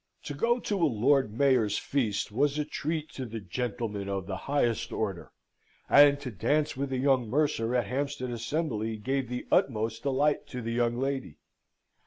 To go to a Lord Mayor's feast was a treat to the gentleman of the highest order: and to dance with a young mercer at Hampstead Assembly. gave the utmost delight to the young lady.